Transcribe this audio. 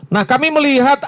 nah kami melihat